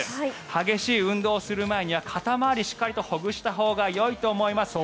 激しい運動をする前には肩回りをしっかりとほぐしたほうがいいと思います。